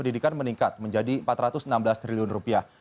pendidikan meningkat menjadi empat ratus enam belas triliun rupiah